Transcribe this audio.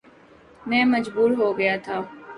میں مجبور ہو گیا تھا